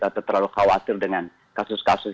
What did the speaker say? atau terlalu khawatir dengan kasus kasus